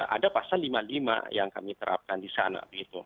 ada pasal lima puluh lima yang kami terapkan di sana